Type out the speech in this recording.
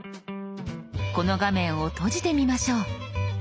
この画面を閉じてみましょう。